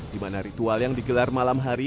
di mana ritual yang digelar malam hari